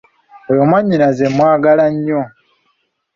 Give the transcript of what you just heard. Oyo mwannyinaze mwagala nnyo.